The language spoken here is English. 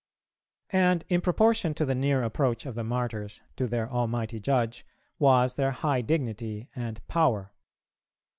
And in proportion to the near approach of the martyrs to their Almighty Judge, was their high dignity and power.